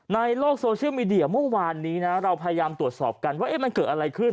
ในโลกโซเชียลมีเดียเมื่อวานนี้นะเราพยายามตรวจสอบกันว่ามันเกิดอะไรขึ้น